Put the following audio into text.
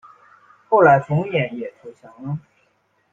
后来冯衍也投降了。